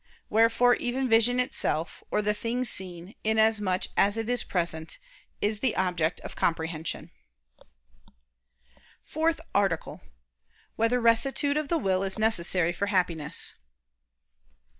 Wherefore even vision itself, or the thing seen, inasmuch as it is present, is the object of comprehension. ________________________ FOURTH ARTICLE [I II, Q. 4, Art. 4] Whether Rectitude of the Will Is Necessary for Happiness?